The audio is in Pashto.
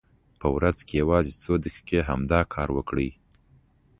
په ورځ کې یوازې څو دقیقې همدا کار وکړئ.